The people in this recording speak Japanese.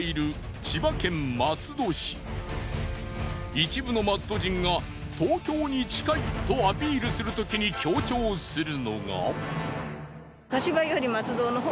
一部の松戸人が東京に近いとアピールするときに強調するのが。